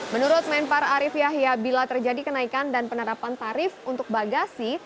menurut menpar arief yahya bila terjadi kenaikan dan penerapan tarif untuk bagasi